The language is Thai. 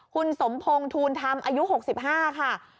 คุณสมพงศ์ทูลธรรมอายุ๖๕ค่ะ